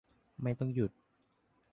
ไม่ต้องหยุด